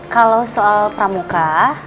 kalau soal pramuka